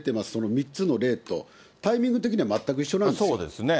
３つの例と、タイミング的には全く一緒なんですよ。